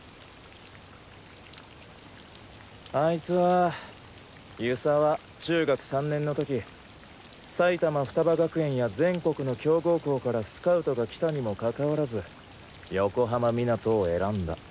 あいつは遊佐は中学３年の時埼玉ふたば学園や全国の強豪校からスカウトがきたにもかかわらず横浜湊を選んだ。